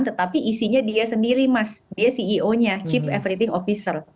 tetapi isinya dia sendiri mas dia ceo nya chief everything officer